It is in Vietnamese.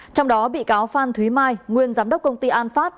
trong đó bị cáo phan thúy mai nguyên giám đốc công ty an phát